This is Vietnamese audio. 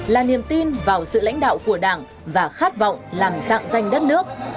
là niềm tin vào sự lãnh đạo